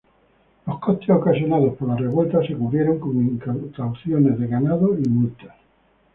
Los costes ocasionados por la revuelta se cubrieron con incautaciones de ganado y multas.